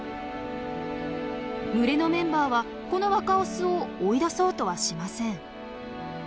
群れのメンバーはこの若オスを追い出そうとはしません。